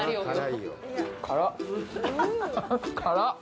辛っ。